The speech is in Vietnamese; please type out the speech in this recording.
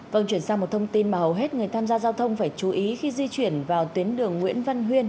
vâng chuyển sang một thông tin mà hầu hết người tham gia giao thông phải chú ý khi di chuyển vào tuyến đường nguyễn văn huyên